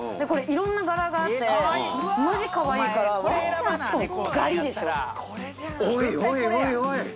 これいろんな柄があってマジかわいいからおいおいおい！